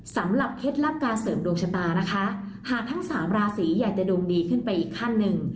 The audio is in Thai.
เคล็ดลับการเสริมดวงชะตานะคะหากทั้งสามราศีอยากจะดวงดีขึ้นไปอีกขั้นหนึ่ง